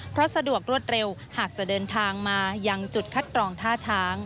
เพราะสะดวกรวดเร็วหากจะเดินทางมายังจุดคัดกรองท่าช้าง